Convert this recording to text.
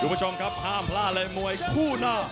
คุณผู้ชมครับห้ามพลาดเลยมวยคู่นอก